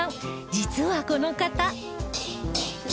実はこの方